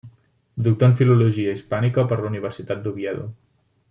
Doctor en Filologia Hispànica per la Universitat d'Oviedo.